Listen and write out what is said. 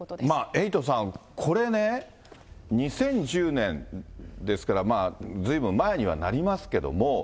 エイトさん、これね、２０１０年、ですからまあ、ずいぶん前にはなりますけれども。